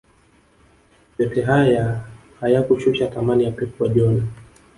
yote haya hayakushusha thamani ya pep guardiola